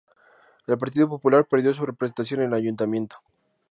El Partido Popular perdió su representación en el ayuntamiento.